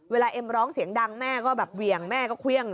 เอ็มร้องเสียงดังแม่ก็แบบเหวี่ยงแม่ก็เครื่อง